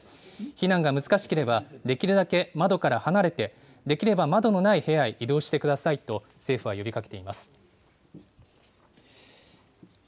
避難が難しければ、できるだけ窓から離れて、できれば窓のない部屋へ移動してくださいと政府は呼びかけています。